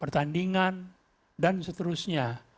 pertandingan dan seterusnya